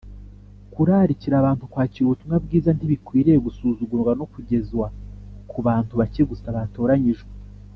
Kurarikira abantu kwakira ubutumwa bwiza ntibikwiriye gusuzugurwa no kugezwa ku bantu bake gusa batoranyijwe,